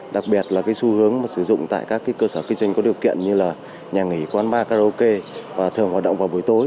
đặc biệt là xu hướng sử dụng tại các cơ sở kinh doanh có điều kiện như là nhà nghỉ quán bar karaoke và thường hoạt động vào buổi tối